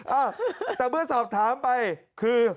อ่ะแต่เมื่อสอบถามไปคือ